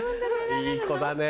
いい子だねぇ。